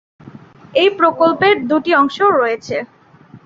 এই প্রকল্পের দুটি অংশ রয়েছে।